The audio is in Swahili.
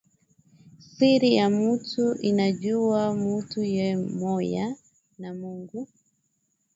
Siri ya mutu inajuwa mutu ye moya na Mungu